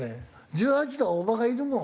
１８の大バカいるもん。